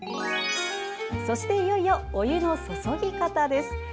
そして、いよいよお湯の注ぎ方です。